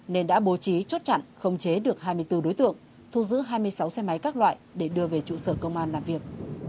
nên đã bố trí chốt chặn không chế được hai mươi bốn đối tượng thu giữ hai mươi sáu xe máy các loại để đưa về trụ sở công an làm việc